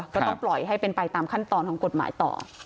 ก็ต้องปล่อยให้เป็นไปตามขั้นตอนของกฎหมายต่อ